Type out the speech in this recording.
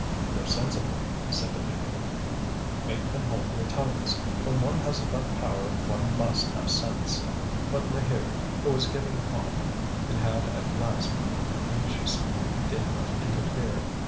"You're sensible," he said to Maheu; "make them hold their tongues. When one hasn't got power one must have sense." But Maheu, who was getting calm, and had at last become anxious, did not interfere.